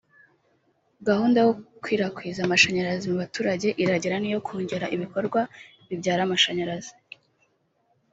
Gahunda yo gukwirakwiza amashanyarazi mu baturage irajyana n’iyo kongera ibikorwa bibyara amashanyarazi